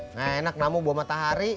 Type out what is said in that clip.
nggak enak namu buah matahari